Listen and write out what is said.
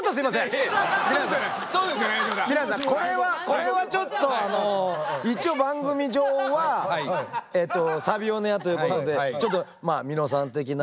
これはちょっとあの一応番組上は「サビオネア」ということでちょっとみのさん的な。